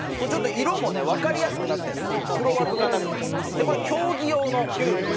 でこれ競技用のキューブ。